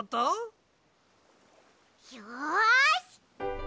よし！